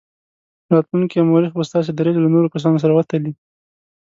راتلونکی مورخ به ستاسې دریځ له نورو کسانو سره وتلي.